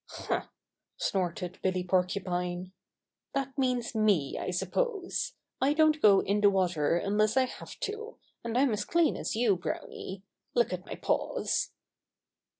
"Huh!" snorted Billy Porcupine. "That means me, I suppose. I don't go in the water Bobby's Friends Quarrel 99 unless I have to, and I'm as clean as you, Browny. Look at my paws."